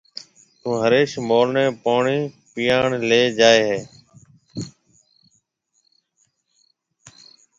تو هريش مال نَي پوڻِي پِياڻ ليَ جائي هيَ۔